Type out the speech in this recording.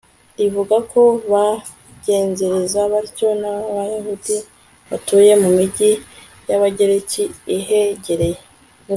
rivuga ko bagenzereza batyo n'abayahudi batuye mu migi y'abagereki ihegereye